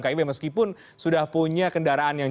kib meskipun sudah punya kendaraan yang